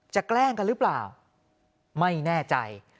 แกล้งกันหรือเปล่าไม่แน่ใจ